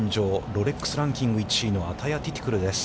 ロレックス・ランキング１位のアタヤ・ティティクルです。